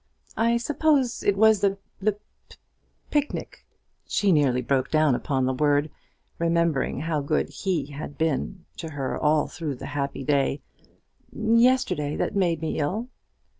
"I suppose it was the p pic nic" she nearly broke down upon the word, remembering how good he had been to her all through the happy day "yesterday that made me ill."